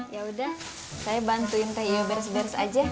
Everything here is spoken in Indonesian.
yaudah saya bantuin tegi beres beres aja